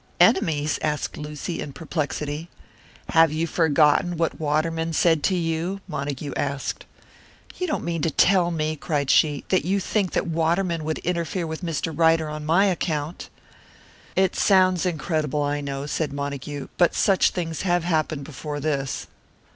"Enemies?" asked Lucy, in perplexity. "Have you forgotten what Waterman said to you?" Montague asked. "You don't mean to tell me," cried she, "that you think that Waterman would interfere with Mr. Ryder on my account." "It sounds incredible, I know," said Montague, "but such things have happened before this.